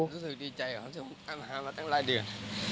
รู้สึกดีใจเหรอมาตั้งหลายเดือน